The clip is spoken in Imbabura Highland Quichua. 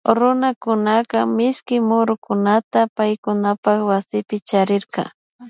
Runakunaka mishki murukunata paykunapak waspi charirka